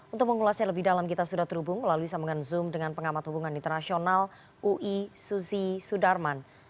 untuk mengulasnya lebih dalam kita sudah terhubung melalui sambungan zoom dengan pengamat hubungan internasional ui susi sudarman